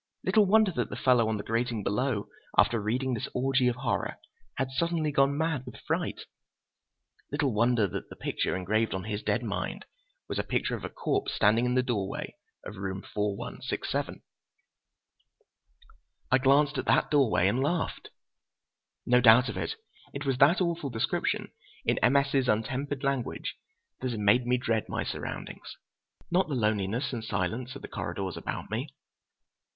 Little wonder that the fellow on the grating below, after reading this orgy of horror, had suddenly gone mad with fright. Little wonder that the picture engraved on his dead mind was a picture of a corpse standing in the doorway of room 4167! I glanced at that doorway and laughed. No doubt of it, it was that awful description in M. S.'s untempered language that had made me dread my surroundings, not the loneliness and silence of the corridors about me.